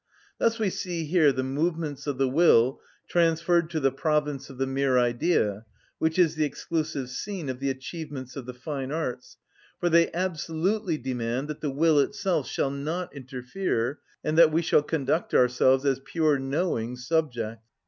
Thus we see here the movements of the will transferred to the province of the mere idea, which is the exclusive scene of the achievements of the fine arts, for they absolutely demand that the will itself shall not interfere, and that we shall conduct ourselves as pure knowing subjects.